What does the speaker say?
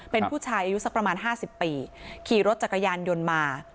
เป็นผู้ชายอายุสักประมาณ๕๐ปีขี่รถจักรยานยนต์มา